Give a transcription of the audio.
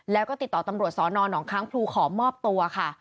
แล้วก็ติดต่อตำรวจสอนอนหนองค้างพลูขอมอบตัวค่ะ